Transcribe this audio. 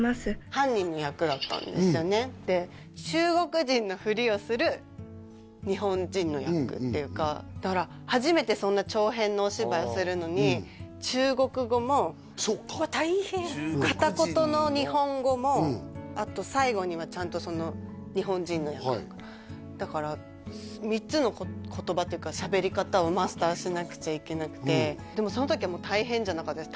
犯人の役だったんですよねの役っていうかだから初めてそんな長編のお芝居をするのに中国語もそうかうわ大変カタコトの日本語もあと最後にはちゃんと日本人の役だからだから３つの言葉っていうかしゃべり方をマスターしなくちゃいけなくてでもその時は大変じゃなかったです